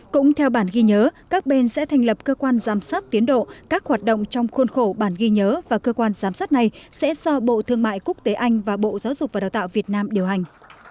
cũng theo bản ghi nhớ các bên sẽ thành lập cơ quan giám sát tiến độ các hoạt động trong khuôn khổ bản ghi nhớ và cơ quan giám sát này sẽ do bộ thương mại quốc tế anh và bộ giáo dục và đào tạo việt nam điều hành